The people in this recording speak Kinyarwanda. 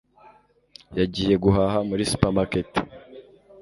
Yagiye guhaha muri supermarket.